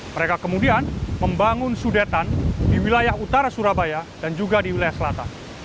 mereka kemudian membangun sudetan di wilayah utara surabaya dan juga di wilayah selatan